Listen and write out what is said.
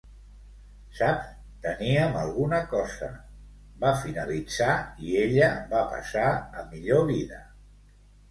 Saps, teníem alguna cosa, va finalitzar i ella va passar a millor vida.